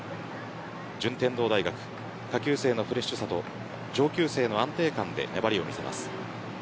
順天堂大学下級生のフレッシュさと上級生の安定感で粘りを見せます。